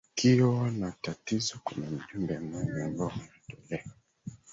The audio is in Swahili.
wakiwa na tatizo kuna mjumbe mmoja ambao unatolewa